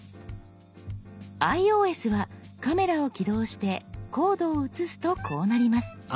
ｉＯＳはカメラを起動してコードを写すとこうなります。